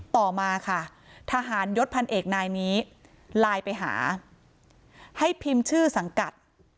ต่อมาค่ะทหารยศพันเอกนายนี้ไลน์ไปหาให้พิมพ์ชื่อสังกัด